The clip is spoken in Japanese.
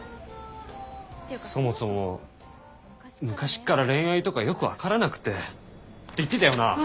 そもそも「昔から恋愛とかよく分からなくて」って言ってたよな？